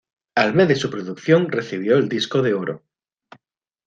Al mes de su producción recibió el disco de oro.